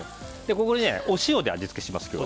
ここにお塩で味付けします。